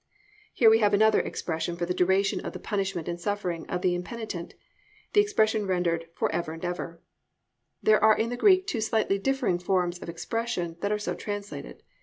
"+ Here we have another expression for the duration of the punishment and suffering of the impenitent, the expression rendered for ever and ever. There are in the Greek two slightly differing forms of expression that are so translated.